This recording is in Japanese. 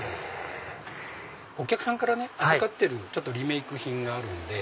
お客さんからね預かってるリメイク品があるんで。